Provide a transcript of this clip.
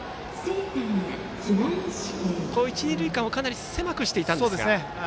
一、二塁間をかなり狭くしていたんですが。